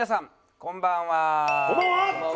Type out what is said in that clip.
こんばんは。